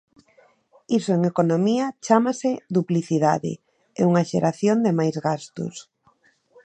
Iso en economía chámase duplicidade, e unha xeración de máis gastos.